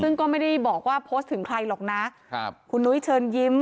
ซึ่งก็ไม่ได้บอกว่าโพสต์ถึงใครหรอกนะครับคุณนุ้ยเชิญยิ้ม